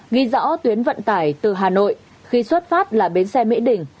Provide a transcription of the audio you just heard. ghi rõ tuyến vận tải từ hà nội khi xuất phát là bến xe mỹ đình